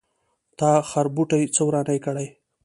تا خربوټي څه ورانی کړی.